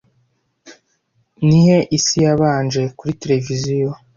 Nihe isi yabanje kuri tereviziyo